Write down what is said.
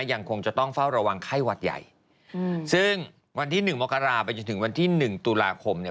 ยังคงจะต้องเฝ้าระวังไข้หวัดใหญ่อืมซึ่งวันที่หนึ่งมกราไปจนถึงวันที่หนึ่งตุลาคมเนี่ย